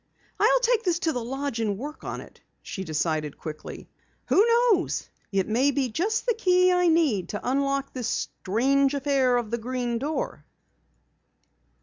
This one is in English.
"I'll take this to the lodge and work on it," she decided quickly. "Who knows? It may be just the key I need to unlock this strange affair of the Green Door!"